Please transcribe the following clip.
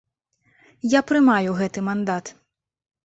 Я прымаю гэты мандат.